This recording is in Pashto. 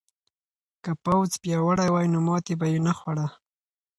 که پوځ پیاوړی وای نو ماتې به یې نه خوړه.